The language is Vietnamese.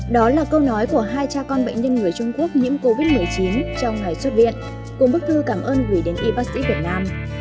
đó là câu nói của hai cha con bệnh nhân người trung quốc nhiễm covid một mươi chín trong ngày xuất viện cùng bức thư cảm ơn gửi đến y bác sĩ việt nam